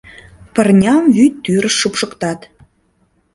Пырням вӱд тӱрыш шупшыктат